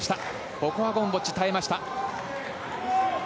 ここはゴムボッチ、耐えました。